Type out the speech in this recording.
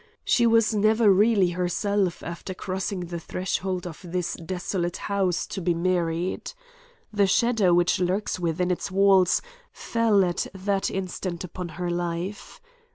She was never really herself after crossing the threshold of this desolate house to be married. The shadow which lurks within its walls fell at that instant upon her life.